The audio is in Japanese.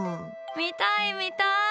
見たい、見たい！